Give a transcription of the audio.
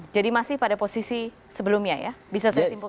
jadi masih pada posisi sebelumnya ya bisa saya simpulkan seperti itu